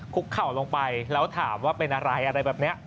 เข่าลงไปแล้วถามว่าเป็นอะไรอะไรแบบนี้